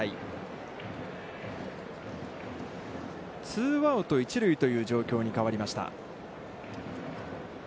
ツーアウト、一塁という状況に変わりました。